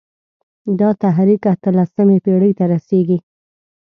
دا تحریک اته لسمې پېړۍ ته رسېږي.